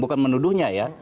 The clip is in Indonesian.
bukan menuduhnya ya